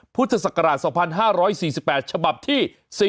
พุทธศักราช๒๕๔๘ฉบับที่๔